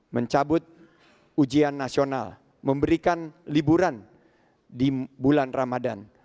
mencabut ujian nasional memberikan liburan di bulan ramadan